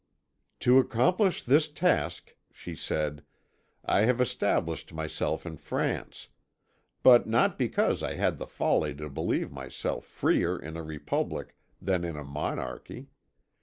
"To accomplish this task," she said, "I have established myself in France. But not because I had the folly to believe myself freer in a republic than in a monarchy.